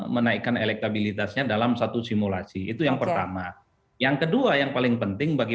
menaikkan elektabilitasnya dalam satu simulasi itu yang pertama yang kedua yang paling penting bagi